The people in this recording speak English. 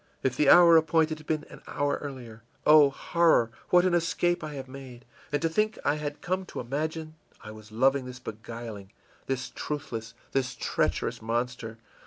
If the hour appointed had been an hour earlier Oh, horror, what an escape I have made! And to think I had come to imagine I was loving this beguiling, this truthless, this treacherous monster!